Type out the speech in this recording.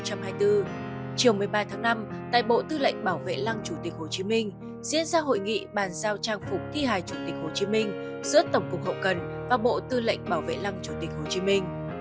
chiều một mươi ba tháng năm tại bộ tư lệnh bảo vệ lăng chủ tịch hồ chí minh diễn ra hội nghị bàn giao trang phục thi hài chủ tịch hồ chí minh giữa tổng cục hậu cần và bộ tư lệnh bảo vệ lăng chủ tịch hồ chí minh